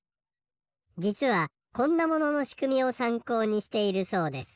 じつはこんなもののしくみをさんこうにしているそうです。